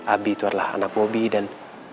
abi itu adalah anak bobi dan